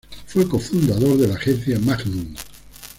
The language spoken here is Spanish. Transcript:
Fue cofundador de la Agencia Magnum.